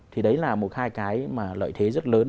thì đấy là một hai cái mà lợi thế rất lớn